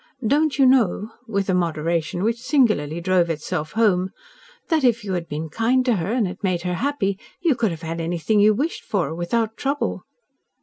Don't you know," with a moderation, which singularly drove itself home, "that if you had been kind to her, and had made her happy, you could have had anything you wished for without trouble?"